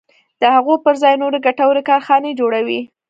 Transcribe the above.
د هغو پر ځای نورې ګټورې کارخانې جوړوي.